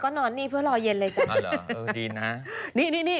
ก็นอนนี่เพื่อรอเย็นเลยจ้ะอ่าเหรอเออดีนะนี่นี่นี่